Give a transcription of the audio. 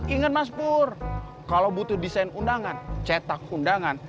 ingat mas pur kalau butuh desain undangan cetak undangan